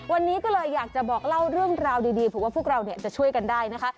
วันนี้ก็เลยอยากจะบอกเล่าเรื่องราวดีเผื่อว่าพวกเราจะช่วยกันได้นะคะ